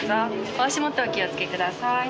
お足元お気を付けください。